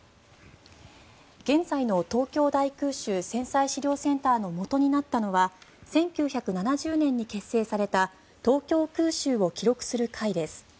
現在の東京大空襲・戦災資料センターのもとになったのは１９７０年に結成された東京大空襲を記録する会です。